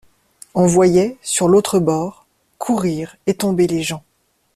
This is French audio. On voyait, sur l'autre bord, courir et tomber les gens.